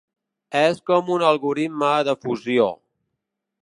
És com un algoritme de fusió.